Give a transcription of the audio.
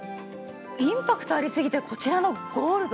インパクトありすぎてこちらのゴールド。